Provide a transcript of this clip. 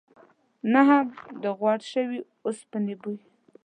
نه هم د غوړ شوي اوسپنې بوی.